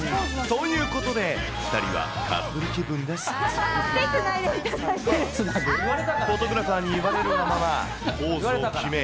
ということで、２人はカップル気分で撮影。